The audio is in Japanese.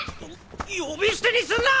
呼び捨てにするな！